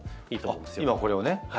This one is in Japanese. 今これをね。